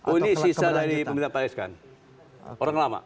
oh ini sisa dari pemerintahan pak reskan orang lama